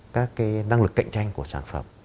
các cái năng lực cạnh tranh của sản phẩm